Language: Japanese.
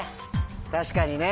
確かにね。